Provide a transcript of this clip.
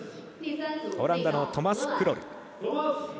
オランダのトマス・クロル。